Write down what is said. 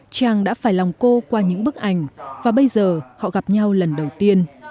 trang đã phải lòng cô qua những bức ảnh và bây giờ họ gặp nhau lần đầu tiên